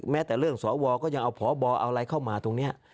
แต่เรื่องสวก็ยังเอาพบเอาอะไรเข้ามาตรงนี้